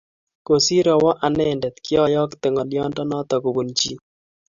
Kosiir awe anendet kyokoite ngolyondonoto kobun chii